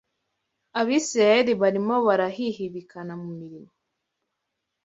Abisirayeli barimo barahihibikana mu mirimo